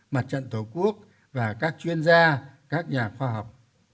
mặt trận tổ quốc và các chuyên gia các nhà khoa học